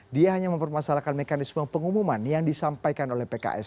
dia hanya mempermasalahkan mekanisme pengumuman yang disampaikan oleh pks